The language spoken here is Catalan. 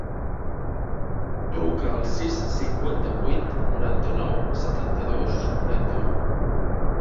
Truca al sis, cinquanta-vuit, noranta-nou, setanta-dos, noranta-u.